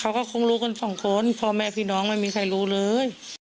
เขาก็คงรู้กันสองคนพ่อแม่พี่น้องไม่มีใครรู้เลย